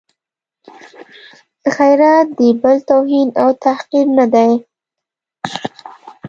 غیرت د بل توهین او تحقیر نه دی.